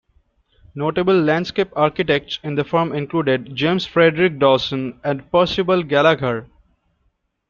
Notable landscape architects in the firm included James Frederick Dawson and Percival Gallagher.